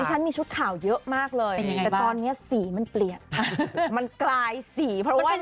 ดิฉันมีหลายชุดขาวเยอะมากล่ะปีนยังไงบ้าง